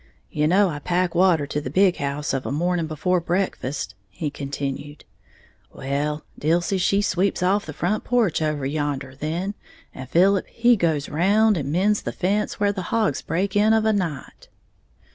"You know I pack water to the big house of a morning before breakfast," he continued; "well, Dilsey she sweeps off the front porch over yander then, and Philip he goes round and mends the fence where the hogs breaks in of a night."